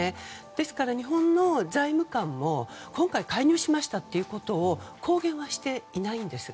ですから、日本の財務官も今回、介入しましたということを公言はしていないんです。